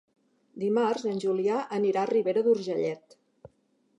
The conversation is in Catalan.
Dimarts en Julià anirà a Ribera d'Urgellet.